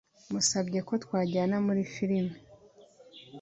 Namusabye ko twajyana muri firime.